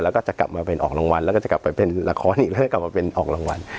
แล้วก็จะกลับมาเป็นออกรางวัลแล้วก็จะกลับไปเป็นละครอีกแล้วก็กลับมาเป็นออกรางวัล